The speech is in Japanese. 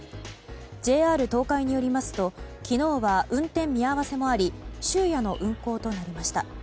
ＪＲ東海によりますと昨日は、運転見合わせもあり終夜の運行となりました。